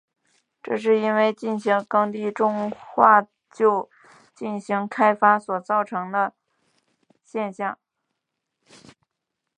这是因为未进行耕地重划就进行开发所造成的现象。